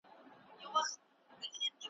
د خیالي رباب شرنګی دی تر قیامته په غولیږو ,